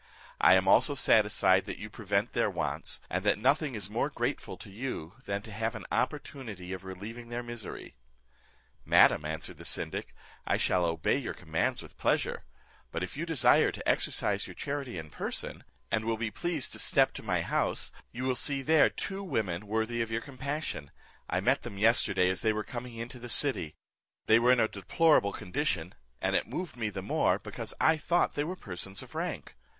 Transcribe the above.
I am also satisfied that you prevent their wants, and that nothing is more grateful to you, than to have an opportunity of relieving their misery." "Madam," answered the syndic, "I shall obey your commands with pleasure; but if you desire to exercise your charity in person, and will be pleased to step to my house, you will there see two women worthy of your compassion; I met them yesterday as they were coming into the city; they were in a deplorable condition, and it moved me the more, because I thought they were persons of rank.